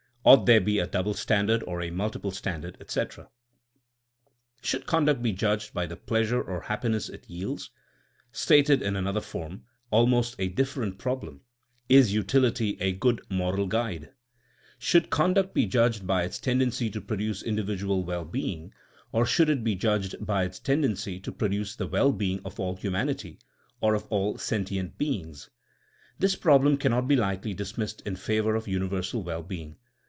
Ought there be a double standard or a multiple standard I etc. Should conduct he judged hy the pleasure or happiness it yields? Stated in another form, al most a different problem: Is utility a good moral guide? THINKING AS A SCIENCE 217 Should conduct be judged by its tendency to produce individual well being, or should it be judged by its tendency to produce the well being of all humanity, or of all sentient beings f This problem cannot be lightly dismissed in favor of universal well being.